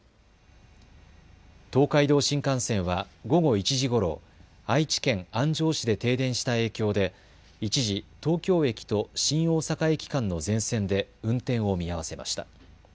東海道新幹線は午後１時ごろ愛知県安城市で停電した影響で一時、東京駅と新大阪駅間の全線で運転を見合わせました。